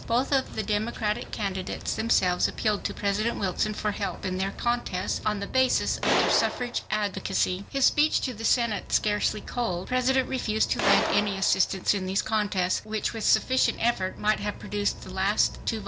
Both of the Democratic candidates themselves appealed to President Wilson for help in their contests, on the basis of their suffrage advocacy. His speech to the Senate scarcely cold, the President refused to lend any assistance in these contests, which with sufficient effort might have produced the last two votes.